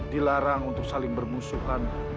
dilarang untuk saling bermusuhan